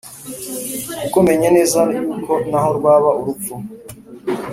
Kuko menye neza yuko naho rwaba urupfu,